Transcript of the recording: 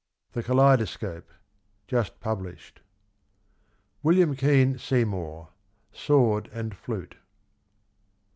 THE KALEIDOSCOPE. Just Published. William Kean Seymour. SWORD AND FLUTE.